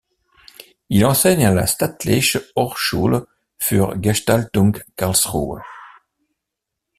Il enseigne à la Staatliche Hochschule für Gestaltung Karlsruhe.